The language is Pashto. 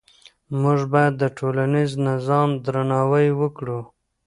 موږ باید د ټولنیز نظام درناوی وکړو.